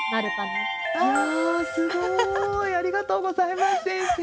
すごいありがとうございます先生。